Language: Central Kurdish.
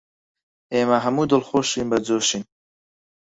ئێمە هەموو دڵخۆشین و بەجۆشین